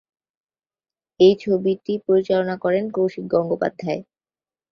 এই ছবিটি পরিচালনা করেন কৌশিক গঙ্গোপাধ্যায়।